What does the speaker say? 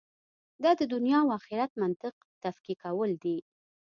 دا د دنیا او آخرت منطق تفکیکول دي.